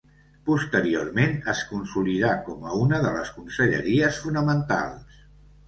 Posteriorment es consolidà com a una de les conselleries fonamentals.